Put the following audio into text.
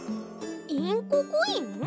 インココイン？